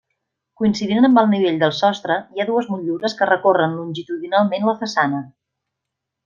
Coincidint amb el nivell del sostre, hi ha dues motllures que recorren longitudinalment la façana.